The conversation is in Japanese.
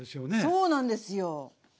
そうなんですよ。ね！